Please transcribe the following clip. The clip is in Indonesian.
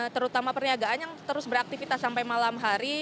terutama perniagaan yang terus beraktivitas sampai malam hari